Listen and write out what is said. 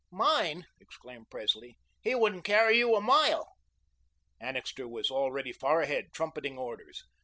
"Mine?" exclaimed Presley. "He wouldn't carry you a mile." Annixter was already far ahead, trumpeting orders.